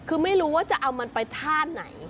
คือไม่รู้ว่าจะเอามันไปท่าไหน